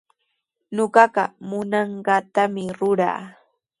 Ñuqaqa munanqaatami ruraa.